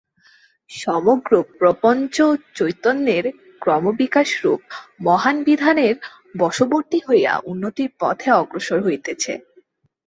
সমগ্র প্রপঞ্চ চৈতন্যের ক্রমবিকাশরূপ মহান বিধানের বশবর্তী হইয়া উন্নতির পথে অগ্রসর হইতেছে।